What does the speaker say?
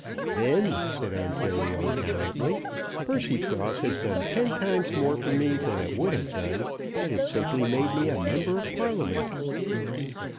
"Then," said Ontario, gallantly, "Percycross has done ten times more for me than it would have done, had it simply made me a member of Parliament."